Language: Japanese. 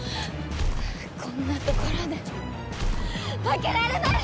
こんなところで負けられない！